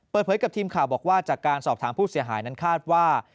เปิดเผยกับทีมข่าวบอกว่าจากการสอบถามผู้เสียหายนั้นคาดว่า